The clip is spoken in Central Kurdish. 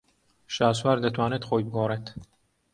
شاسوار دەتوانێت خۆی بگۆڕێت.